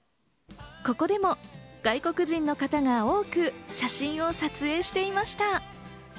ここでも外国人の方が多く写真を撮影していました。